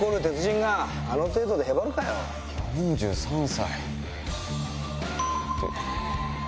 ４３歳。